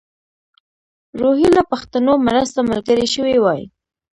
روهیله پښتنو مرسته ملګرې شوې وای.